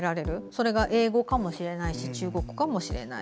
それが英語かもしれないし中国語かもしれない。